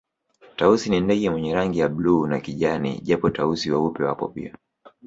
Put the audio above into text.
Tausi ni ndege mwenye rangi ya bluu na kijani japo Tausi weupe wapo pia